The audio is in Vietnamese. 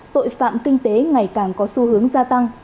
tội phạm kinh tế ngày càng có xu hướng gia tăng